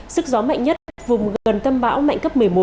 sức gió mạnh nhất vùng gần tâm bão mạnh cấp một mươi một